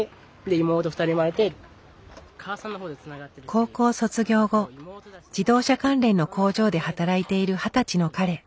高校卒業後自動車関連の工場で働いている二十歳の彼。